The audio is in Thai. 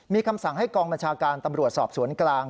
มีคำสั่งให้กองบัญชาการตำรวจสอบสวนกลาง